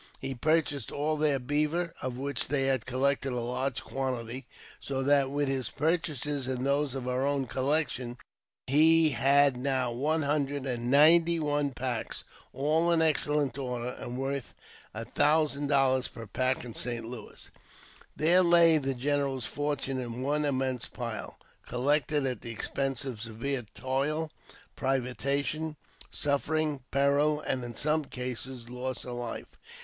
He purchased all their beaver, of which they had collected a large quantity, so that, with his purchases and those of our own collection, he had now one hundred and ninety one packs, all in excellent order, and worth $1,000 per pack in St. Louis. There lay the general's fortune in one immense pile, collected at the expense of severe toil, privation, suffering, peril, and, in some cases, loss of life.